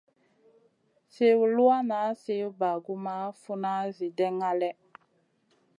Sliw luwanŋa, sliw bagumʼma, funa, Zi ɗènŋa lèh.